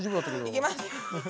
いきます。